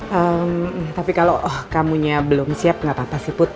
hmm tapi kalo kamu nya belum siap gak apa apa sih bud